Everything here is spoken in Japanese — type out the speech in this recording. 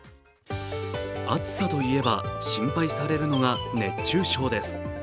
暑さといえば心配されるのが熱中症です。